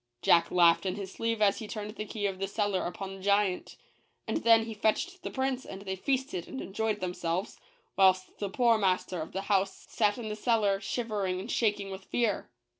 Jack laughed in his sleeve as he turned the key of the cellar upon the giant: and then he fetched the prince and they feasted and enjoyed themselves, whilst the poor master of the house sat in the cellar shivering and shaking with fear.